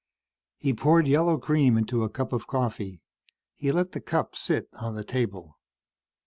He poured yellow cream into a cup of coffee. He let the cup sit on the table.